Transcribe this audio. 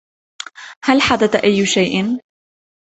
هل حدث أي شيء ؟